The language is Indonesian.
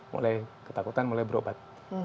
mulai ketakutan mulai berobat